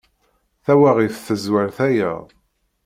Tawaɣit tezwar tayeḍ.